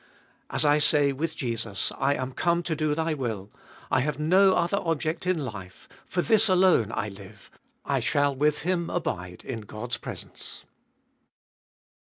As I say with Jesus, I am come to do Thy will, I have no other object in life, for this alone I live, I shall with Him abide in God's presence.